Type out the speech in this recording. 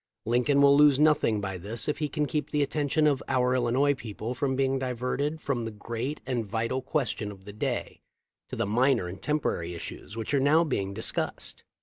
Lincoln will lose nothing by this if he can keep the attention of our Illinois people from being diverted from the great and vital question of the day to the minor and temporary issues w r hich are now being dis cussed."